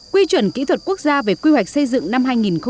quy chuẩn kỹ thuật quốc gia về quy hoạch xây dựng năm hai nghìn tám